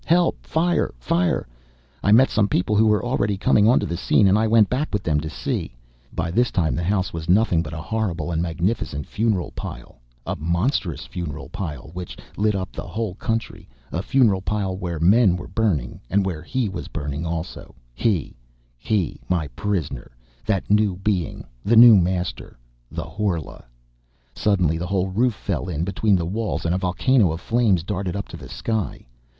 help! fire! fire!" I met some people who were already coming onto the scene, and I went back with them to see! By this time the house was nothing but a horrible and magnificent funeral pile, a monstrous funeral pile which lit up the whole country, a funeral pile where men were burning, and where he was burning also, He, He, my prisoner, that new Being, the new master, the Horla! Suddenly the whole roof fell in between the walls, and a volcano of flames darted up to the sky.